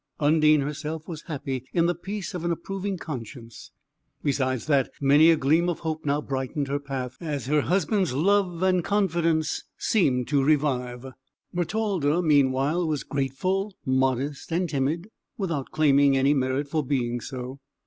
Undine herself was happy in the peace of an approving conscience; besides that, many a gleam of hope now brightened her path, as her husband's love and confidence seemed to revive; Bertalda meanwhile was grateful, modest, and timid, without claiming any merit for being so.